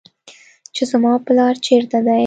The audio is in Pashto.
چې زما پلار چېرته دى.